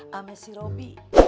sama si robi